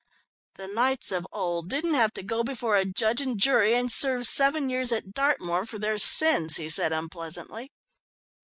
"The knights of old didn't have to go before a judge and jury and serve seven years at Dartmoor for their sins," he said unpleasantly.